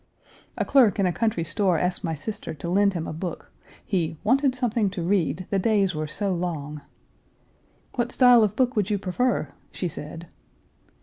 A clerk in a country store asked my sister to lend him a book, he "wanted something to read; the days were so long." "What style of book would you prefer?" she said.